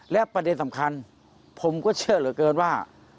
และประเด็นสำคัญผมก็เชื่อเหลือเกินว่า